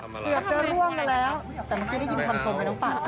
แต่มันไม่ได้กินคำชมไหมน้องปัน